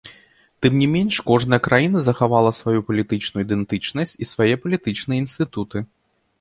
Тым не менш, кожная краіна захавала сваю палітычную ідэнтычнасць і свае палітычныя інстытуты.